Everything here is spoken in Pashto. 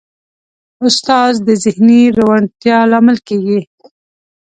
استاد د ذهني روڼتیا لامل وي.